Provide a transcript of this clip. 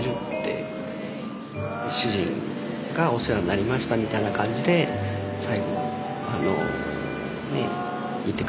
「主人がお世話になりました」みたいな感じで最後言って下さいましたんで。